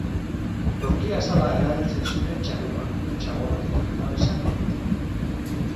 Urki-azala erabiltzen zuten txalupak, txabolak eta lanabesak egiteko.